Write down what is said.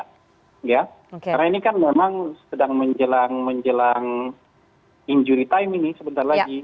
karena ini kan memang sedang menjelang injury time ini sebentar lagi